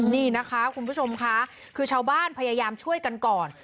นี่นะคะคุณผู้ชมค่ะคือชาวบ้านพยายามช่วยกันก่อน